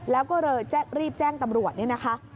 แล้วก็เลยรีบแจ้งตำรวจนี่นะคะ